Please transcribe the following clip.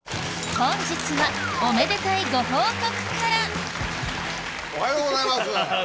本日はおめでたいご報告からおはようございます！